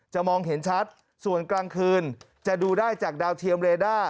มองเห็นชัดส่วนกลางคืนจะดูได้จากดาวเทียมเรด้า